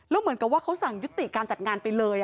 แล้วเหมือนกับว่าเขาสั่งยุติการจัดงานไปเลย